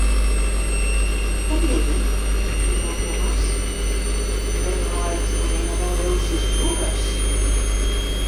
També? —riu el Comas— Però a quina mena d'Eleusis jugues?